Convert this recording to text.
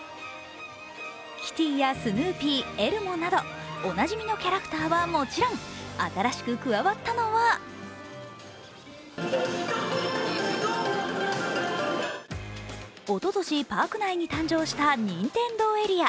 キティやスヌーピー、エルモなどおなじみのキャラクターはもちろん新しく加わったのはおととし、パーク内に誕生したニンテンドー・エリア。